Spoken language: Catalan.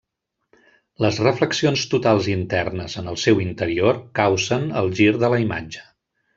Les reflexions totals internes en el seu interior causen el gir de la imatge.